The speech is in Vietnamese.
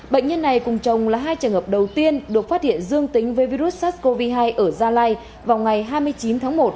bệnh nhân này cùng chồng là hai trường hợp đầu tiên được phát hiện dương tính với virus sars cov hai ở gia lai vào ngày hai mươi chín tháng một